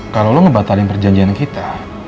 kalau lo ngebatarin perjanjian kita